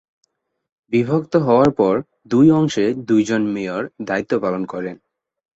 বিভক্ত হওয়ার পর দুই অংশে দুইজন মেয়র দায়িত্ব পালন করেন।